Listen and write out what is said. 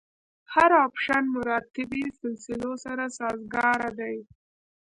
هر اپشن مراتبي سلسلو سره سازګاره دی.